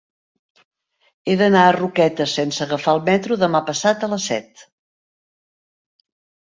He d'anar a Roquetes sense agafar el metro demà passat a les set.